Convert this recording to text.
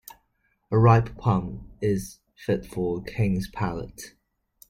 A ripe plum is fit for a king's palate.